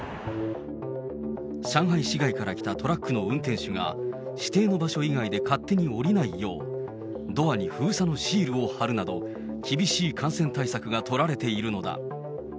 上海市外から来たトラックの運転手が、指定の場所以外で勝手に降りないよう、ドアに封鎖のシールを貼るなど、厳しい感染対策が取られているのだ。